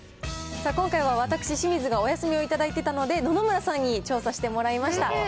今回は私、清水がお休みを頂いていたので、野々村さんに調査してもらいました。